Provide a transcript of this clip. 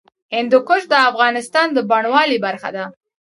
هندوکش د افغانستان د بڼوالۍ برخه ده.